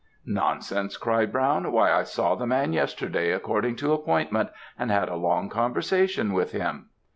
"'Nonsense,' cried Brown, 'Why, I saw the man yesterday according to appointment, and had a long conversation with him.'